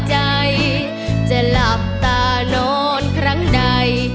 ใจจะหลับตานอนครั้งใด